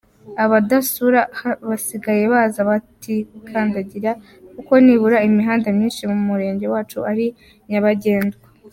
Abadusura basigaye baza batikandagira kuko nibura imihanda myinshi mu Murenge wacu ari nyabagendwa.